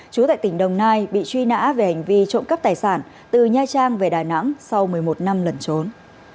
chú tại tỉnh đồng nai bị truy nã về hành vi trộm cắp tài sản từ nha trang về đà nẵng sau một mươi một năm lần trốn